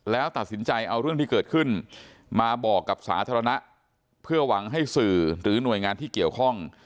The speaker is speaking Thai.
แล้วตัดสินใจเอาเรื่องที่เกิดขึ้นมาบอกกับสาธารณะเพื่อหวังให้สื่อหรือหน่วยงานที่เกี่ยวข้อง